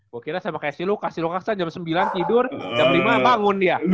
gue kira sama casey lukas casey lukas jam sembilan tidur jam lima bangun dia